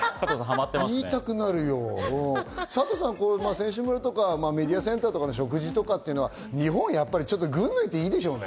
サトさん、選手村とかメディアセンターとかの食事とかっていうのは、日本は群を抜いていいでしょうね。